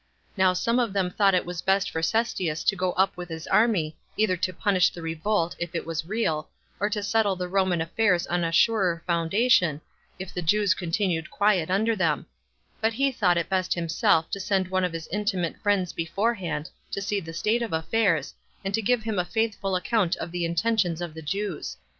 Now some of them thought it best for Cestius to go up with his army, either to punish the revolt, if it was real, or to settle the Roman affairs on a surer foundation, if the Jews continued quiet under them; but he thought it best himself to send one of his intimate friends beforehand, to see the state of affairs, and to give him a faithful account of the intentions of the Jews.